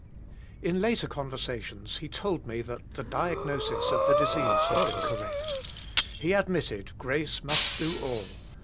In later conversations he told me the diagnosis of the disease had been correct. He admitted grace must do all.